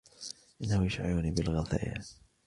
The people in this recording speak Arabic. إنه يشعرني بالغثيان